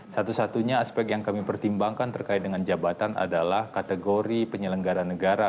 satu satunya aspek yang kami pertimbangkan terkait dengan jabatan adalah kategori penyelenggara negara